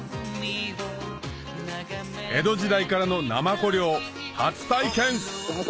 江戸時代からのナマコ漁初体験！